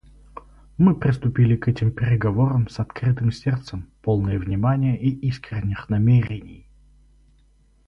Мы приступили к этим переговорам с открытым сердцем, полные внимания и искренних намерений.